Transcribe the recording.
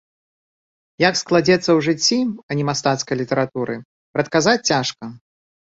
Як складзецца ў жыцці, а не мастацкай літаратуры, прадказаць цяжка.